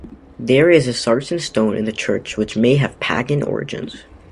There is a Sarsen stone in the church which may have pagan origins.